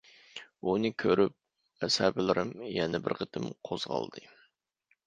ئۇنى كۆرۈپ ئەسەبلىرىم يەنە بىر قېتىم قوزغالدى.